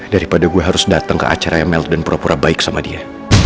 daripada gue harus datang ke acara yang mel dan purapura baik sama dia